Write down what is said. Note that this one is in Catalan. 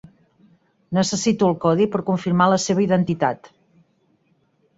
Necessito el codi per confirmar la seva identitat.